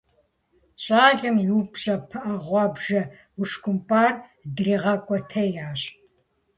Щӏалэм и упщӀэ пыӀэ гъуабжэ ушкӀумпӀар дригъэкӀуэтеящ.